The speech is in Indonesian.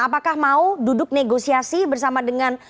apakah mau duduk negosiasi bersama dengan